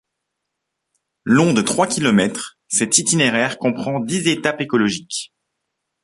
Long de trois km, cet itinéraire comprend dix étapes écologiques.